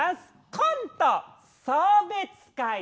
コント「送別会」。